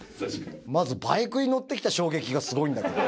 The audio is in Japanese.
まずバイクに乗ってきた衝撃がすごいんだけど。